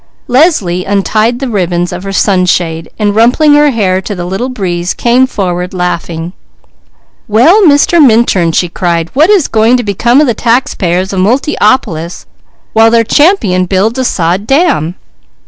Leslie untied the ribbons of her sunshade and rumpling her hair to the light breeze came forward laughing. "Well Mr. Minturn!" she cried. "What is going to become of the taxpayers of Multiopolis while their champion builds a sod dam?"